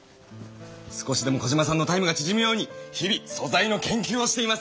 少しでもコジマさんのタイムがちぢむように日々素材の研究をしています！